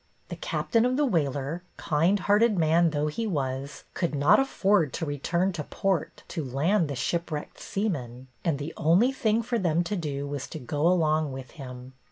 The captain of the whaler, kind hearted man though he was, could not afford to return to port to land the shipwrecked seamen, and the only thing for them to do was to go along with him.